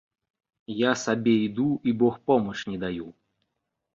Я сабе іду і богпомач не даю.